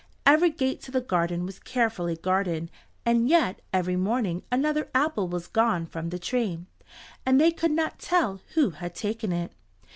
Every gate to the garden was carefully guarded, and yet every morning another apple was gone from the tree, and they could not tell who had taken it.